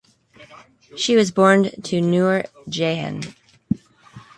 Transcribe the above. She was born to Noor Jehan.